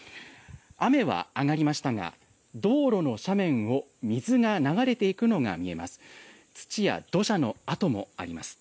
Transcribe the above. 雨は上がりましたが道路の斜面を水が流れていくのが見えます。